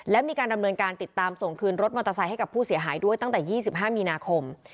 และมีการดำเนินการติดตามส่งคืนรถมอเตอร์ไซค์ให้กับผู้เสียหายด้วยตั้งแต่๒๕มีนาคม